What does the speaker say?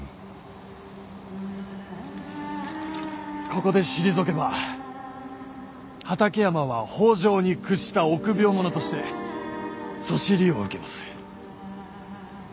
ここで退けば畠山は北条に屈した臆病者としてそしりを受けます。